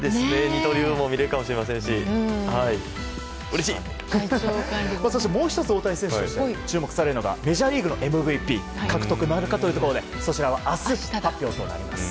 二刀流を見れるかもしれませんしもう１つ、大谷選手が注目されるのがメジャーリーグのＭＶＰ獲得なるか。そちらは明日、発表となります。